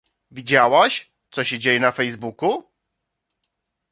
Widziałaś, co się dzieje na Facebooku?